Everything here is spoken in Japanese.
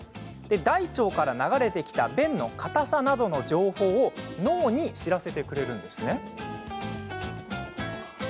大腸から流れてきた便の硬さなどの情報を脳に知らせてくれるんです。